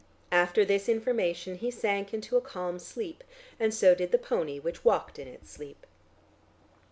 After this information he sank into a calm sleep, and so did the pony which walked in its sleep.